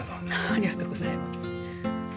ありがとうございます。